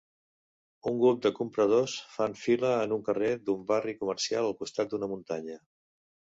Un grup de compradors fan fila en un carrer d'un barri comercial al costat d'una muntanya.